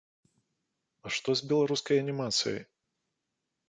А што з беларускай анімацыяй?